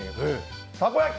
たこ焼き